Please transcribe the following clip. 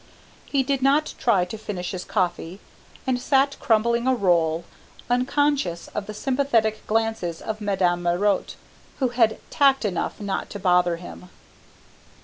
He did not try to finish his coffee, and sat crumbling a roll, unconscious of the sympathetic glances of Madame Marotte, who had tact enough not to bother him.